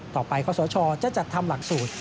ต่อไปข้อสอชอว์จะจัดทำหลักสูตร